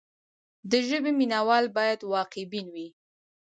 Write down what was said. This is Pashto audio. د ژبې مینه وال باید واقع بین وي.